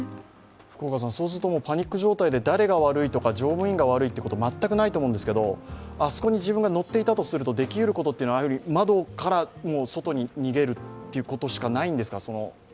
パニック状態で、誰が悪いとか、乗務員が悪いとか、全くないと思うんですけれども、あそこに自分が乗っていたとするとできうることというのは窓から外に逃げるということしかないんですか？